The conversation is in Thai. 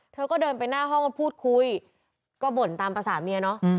เธอก็เดินไปหน้าห้องแล้วพูดคุยก็บ่นตามภาษาเมียเนาะ